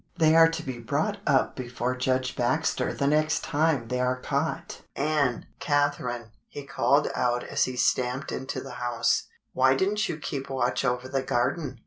They are to be brought up before Judge Baxter the next time they are caught. Ann! Cath erine!" he called out as he stamped into the house, " why did n't you keep watch over the garden